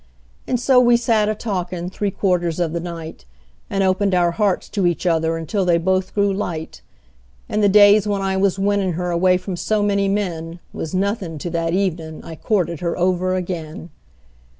And so we sat a talkin' three quarters of the night, And opened our hearts to each other until they both grew light; And the days when I was winnin' her away from so many men Was nothin' to that evenin' I courted her over again.